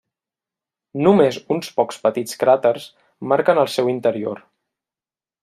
Només uns pocs petits cràters marquen el seu interior.